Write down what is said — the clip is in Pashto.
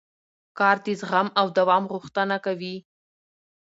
کار د زغم او دوام غوښتنه کوي